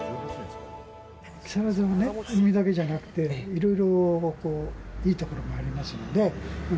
木更津は海だけじゃなくていろいろいいところもありますんで。